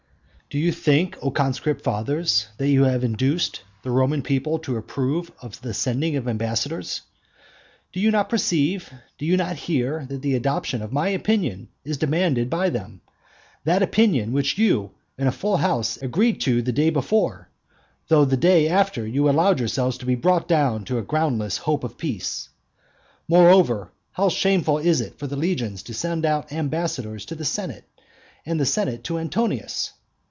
Do you think, O conscript fathers, that you have induced the Roman people to approve of the sending ambassadors? Do you not perceive, do you not hear, that the adoption of my opinion is demanded by them? that opinion which you, in a full house, agreed to the day before, though the day after you allowed yourselves to be brought down to a groundless hope of peace. Moreover, how shameful it is for the legions to send out ambassadors to the senate, and the senate to Antonius!